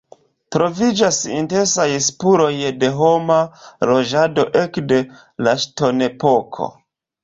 Troviĝas intensaj spuroj de homa loĝado ekde la ŝtonepoko.